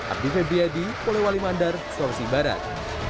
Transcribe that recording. api febriadi kolewale mandar sulawesi barat